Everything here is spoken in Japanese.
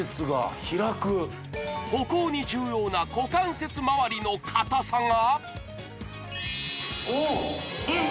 歩行に重要な股関節周りの硬さが・おおっ！